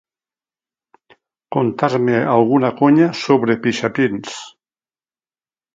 Contar-me alguna conya sobre pixapins.